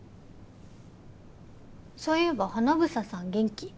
そういえば英さん元気？